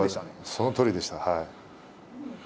そのとおりでした。